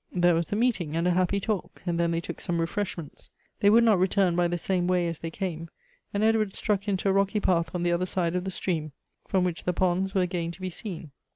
There was the meeting, and a happy talk, and then they took some refreshments. They would not return by the same way as they came ; and Edward struck into a rocky path on the other side of the stream, from which th:; ponds were again to be seen.